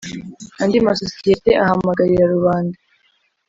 Andi masosiyete ahamagarira rubanda